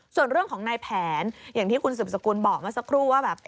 ส่วนเรื่องของนายแผนอย่างที่คุณสืบสกุลบอกเมื่อสักครู่ว่าแบบ